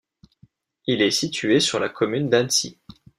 Il est situé sur la commune d'Annecy.